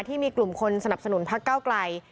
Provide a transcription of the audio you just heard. ที่มีกลุ่มคนสนับสนุนพักเก้าไกล